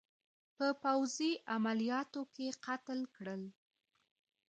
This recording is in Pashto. په پوځي عملیاتو کې قتل کړل.